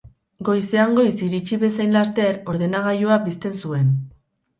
Goizean goiz iritsi bezain laster, ordenagailua pizten zuen.